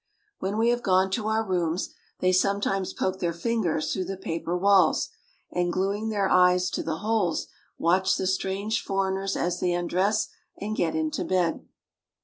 When we have gone to our rooms, they sometimes poke their fingers through the paper walls, and, gluing their eyes to the holes, watch the strange foreigners as they undress and get into bed.